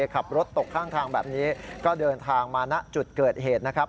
ขับรถตกข้างทางแบบนี้ก็เดินทางมาณจุดเกิดเหตุนะครับ